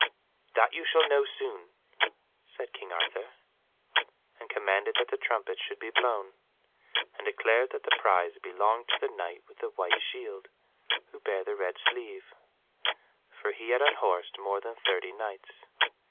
"That you shall know soon," said King Arthur, and commanded that the trumpets should be blown, and declared that the prize belonged to the Knight with the white shield, who bare the red sleeve, for he had unhorsed more than thirty Knights.